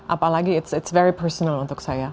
apalagi itu sangat pribadi untuk saya